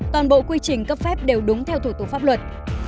toàn bộ quy trình cấp phép đều đúng theo thủ tục pháp luật